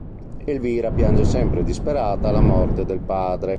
Elvira piange sempre disperata la morte del padre.